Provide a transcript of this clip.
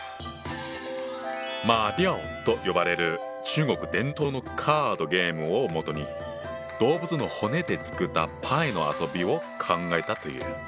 馬吊と呼ばれる中国伝統のカードゲームをもとに動物の骨で作ったパイの遊びを考えたという。